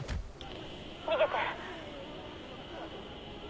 逃げて。